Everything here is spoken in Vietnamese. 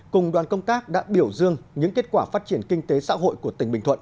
cùng đoàn công tác đã biểu dương những kết quả phát triển kinh tế xã hội của tỉnh bình thuận